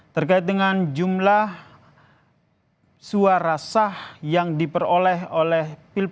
terkait dengan jumlah suara sah yang diperoleh oleh pemilu dua ribu dua puluh empat